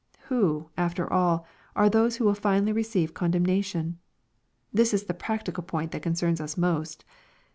Who, after all, are those who will finally receive con demnation ? This is the practical point that concerns us most.